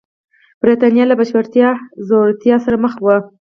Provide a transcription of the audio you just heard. برېټانیا له بشپړې ځوړتیا سره مخ وه.